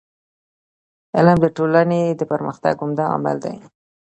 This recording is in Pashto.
علم د ټولني د پرمختګ عمده عامل دی.